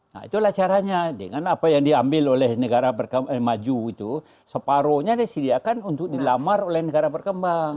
nah itulah caranya dengan apa yang diambil oleh negara maju itu separuhnya disediakan untuk dilamar oleh negara berkembang